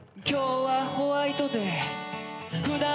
「今日はホワイトデー」